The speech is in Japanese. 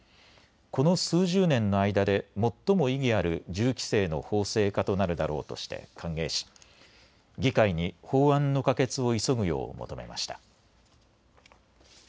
この数十年の間で最も意義ある銃規制の法制化となるだろうとして歓迎し議会に法案の可決を急ぐよう求めました。